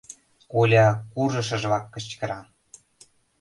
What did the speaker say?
— Оля куржшыжлак кычкыра.